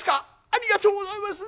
ありがとうございます！